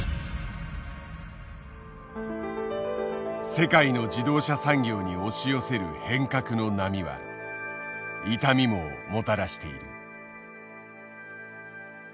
世界の自動車産業に押し寄せる変革の波は痛みももたらしている。